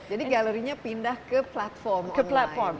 jadi galerinya pindah ke platform online